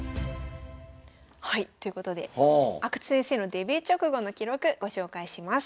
はいということで阿久津先生のデビュー直後の記録ご紹介します。